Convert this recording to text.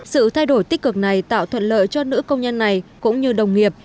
sự thay đổi tích cực này tạo thuận lợi cho nữ công nhân này cũng như đồng nghiệp